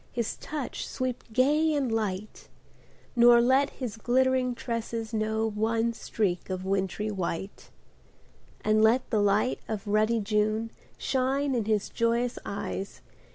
His touch sweep gay and light; Nor let his glittering tresses know One streak of wintry white. And let the light of ruddy June Shine in his joyous eyes.